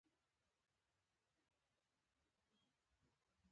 افغانستان ډیر تاریخي او کلتوری میراثونه لري